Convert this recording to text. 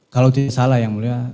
kalau tidak salah yang mulia